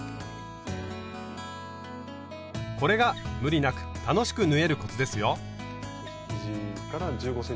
これが無理なく楽しく縫えるコツですよ！